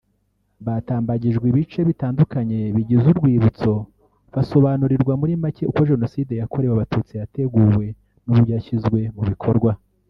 Batambagijwe ibice bitandukanye bigize urwibutso basobanurirwa muri make uko Jenoside yakorewe Abatutsi yateguwe n’uburyo yashyizwe mu bikorwa